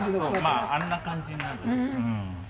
まああんな感じになるの。